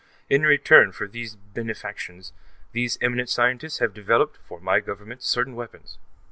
In return for these benefactions, these eminent scientists have developed, for my Government, certain weapons.